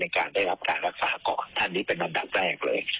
การได้รับการรักษาก่อนท่านนี้เป็นอันดับแรกเลย